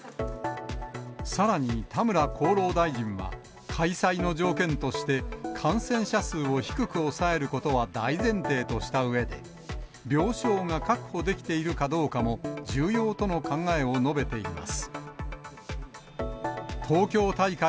さらに田村厚労大臣は、開催の条件として、感染者数を低く抑えることは大前提としたうえで、病床が確保できているかどうかも重要との考えを述べています。